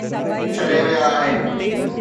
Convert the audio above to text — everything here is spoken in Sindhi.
ڇڏي ويا آهن